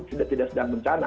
itu tidak sedang bencana